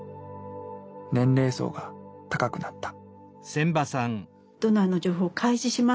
年齢層が高くなった。